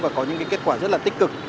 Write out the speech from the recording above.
và có những kết quả rất là tích cực